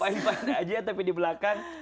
paham paham aja tapi di belakang